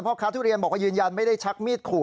พ่อค้าทุเรียนบอกว่ายืนยันไม่ได้ชักมีดขู่